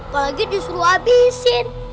kalau lagi disuruh habisin